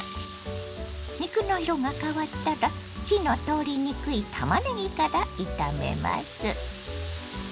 肉の色が変わったら火の通りにくいたまねぎから炒めます。